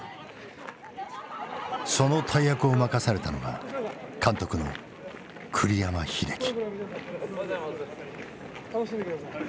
その大役を任されたのが監督の栗山英樹。